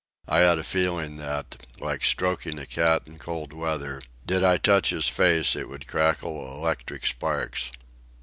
I had a feeling that, like stroking a cat in cold weather, did I touch his face it would crackle electric sparks.